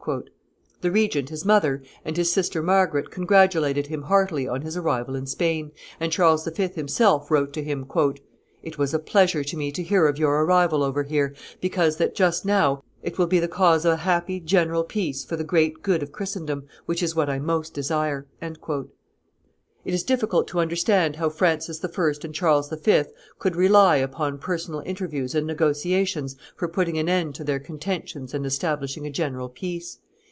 The regent, his mother, and his sister Margaret congratulated him heartily on his arrival in Spain, and Charles V. himself wrote to him, "It was a pleasure to me to hear of your arrival over here, because that, just now, it will be the cause of a happy general peace for the great good of Christendom, which is what I most desire." It is difficult to understand how Francis I. and Charles V. could rely upon personal interviews and negotiations for putting an end to their contentions and establishing a general peace.